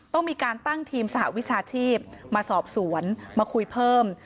ต้องมีการตั้งทีมสหวิชาชีพมาสอบสวนมาคุยเพิ่ม